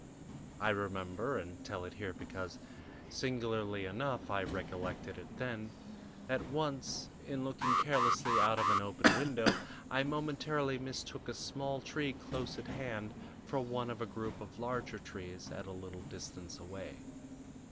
I remember and tell it here because, singularly enough, I recollected it then that once, in looking carelessly out of an open window, I momentarily mistook a small tree close at hand for one of a group of larger trees at a little distance away.